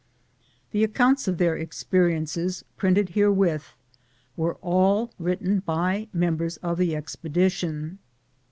The accounts of their experiences printed j herewith were all written by members of the expedition.